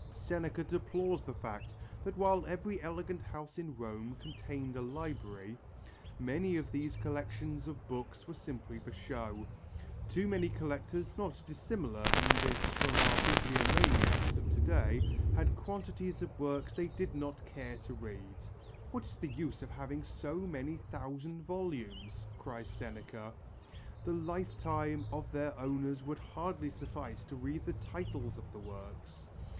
Seneca deplores the fact that while every elegant house in Rome contained a library, many of these collections of books were simply for show. Too many collectors, not dissimilar in this from our bibliomaniacs of to day, had quantities of works they did not care to read. "What is the use of having so many thousand volumes," cries Seneca, "the lifetime of their owners would hardly suffice to read the titles of the works....